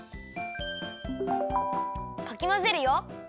かきまぜるよ。